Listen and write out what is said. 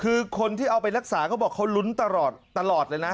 คือคนที่เอาไปรักษาเขาบอกเขาลุ้นตลอดเลยนะ